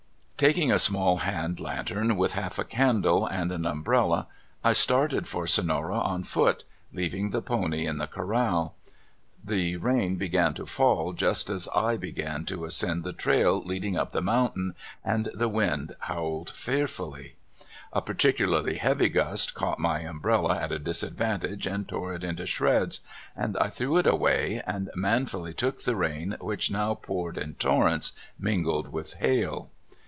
Taking a small hand lantern with half a candle, and an umbrella, I started for Sonora on foot, leav ing the pony in the corral. The rain began to LOST ON TABLE MOUNTAIN. 2/ fall just as I began to ascend the trail leading up the mountain, and the wind howled fearfully. A particularly heavy gust caught my umbrella at a disadvantage and tore it into shreds, and I threw^ it away and manfully took the rain, which now poured in torrents, mingled with hail.